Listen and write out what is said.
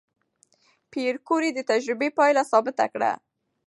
پېیر کوري د تجربې پایله ثبت کړه.